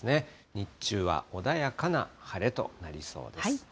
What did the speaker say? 日中は穏やかな晴れとなりそうです。